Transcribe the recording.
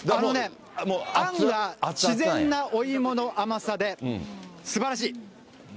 あんが自然なお芋の甘さで、すばらしい。